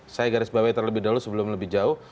saya garis bawah terlebih dahulu sebelum lebih jauh